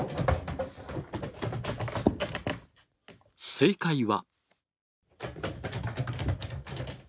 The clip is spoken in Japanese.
正解は。